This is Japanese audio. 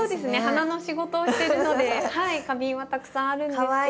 花の仕事をしてるので花瓶はたくさんあるんですけど。